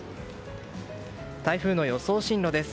台風の予想進路です。